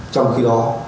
trong khi đó